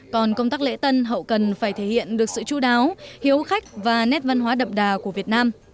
còn công tác lễ tân hậu cần phải thể hiện được sự chú đáo hiếu khách và nét văn hóa đậm đà của việt nam